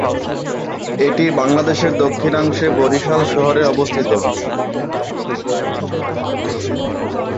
এটি বাংলাদেশের দক্ষিণাংশে বরিশাল শহরে অবস্থিত।